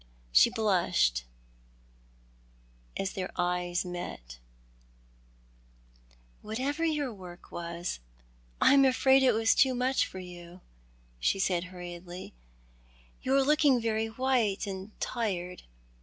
She blushed as their eyes met. In the Pine Wood. 97 " Whatever your work was, I'm afraid it was too luucli for you," she said hurriedly. " You are looking very white and tired.